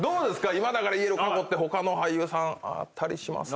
今だから言える過去って他の俳優さんあったりしますか？